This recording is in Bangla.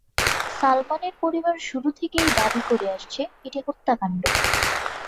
সালমানের পরিবার শুরু থেকেই দাবি করে আসছে, এটি হত্যাকাণ্ড।